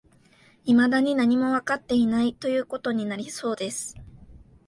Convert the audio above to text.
未だに何もわかっていない、という事になりそうです